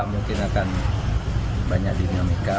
mungkin akan banyak dinamika